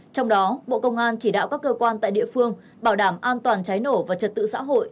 trong đó bộ công an chỉ đạo các cơ quan tại địa phương bảo đảm an toàn cháy nổ và trật tự xã hội